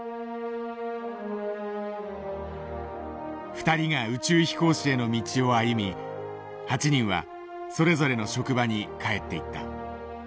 ２人が宇宙飛行士への道を歩み８人はそれぞれの職場に帰っていった。